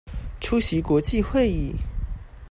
出席國際會議